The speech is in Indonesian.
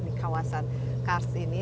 di kawasan kars ini